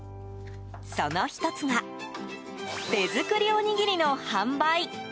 その１つが手作りおにぎりの販売。